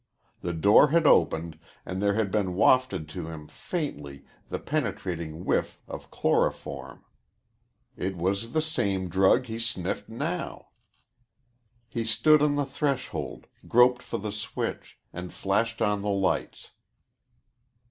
The door had opened and there had been wafted to him faintly the penetrating whiff of chloroform. It was the same drug he sniffed now. He stood on the threshold, groped for the switch, and flashed on the lights.